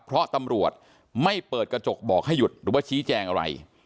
เพราะตำรวจไม่เปิดกระจกบอกให้หยุดหรือว่าชี้แจงอะไร